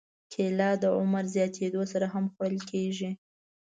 کېله د عمر زیاتېدو سره هم خوړل کېږي.